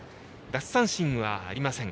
奪三振はありません。